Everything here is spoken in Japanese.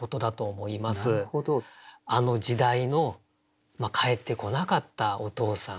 あの時代の還ってこなかったお父さん。